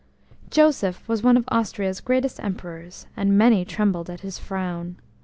OSEPH was one of Austria's greatest Emperors, and many trembled at his frown.